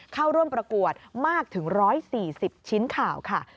เข้าร่วมประกวดมากถึง๑๔๐ชิ้นข่าวค่ะ